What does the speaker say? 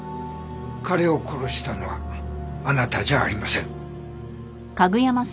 彼を殺したのはあなたじゃありません。